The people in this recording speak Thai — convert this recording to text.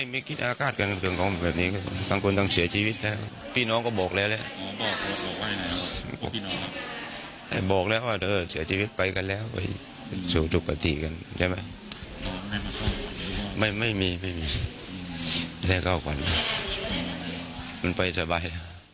มันไปสบาย